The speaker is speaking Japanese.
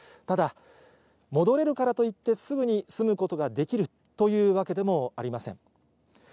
ただ、戻れるからといって、すぐに住むことができるというわけでもありません。